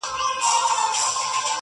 ما یې له ماتم سره لیدلي اخترونه دي٫